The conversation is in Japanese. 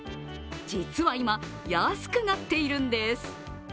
実は今、安くなっているんです。